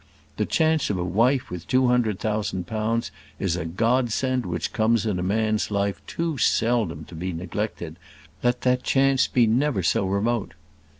The chance of a wife with two hundred thousand pounds is a godsend which comes in a man's life too seldom to be neglected, let that chance be never so remote.